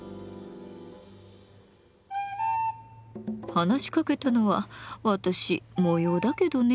話しかけたのは私模様だけどね。